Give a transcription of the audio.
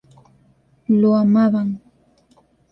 Lo amaban.